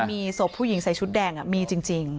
มีศพผู้หญิงใส่ชุดแดงมีจริง